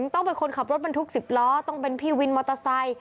ต้องเป็นคนขับรถบรรทุก๑๐ล้อต้องเป็นพี่วินมอเตอร์ไซค์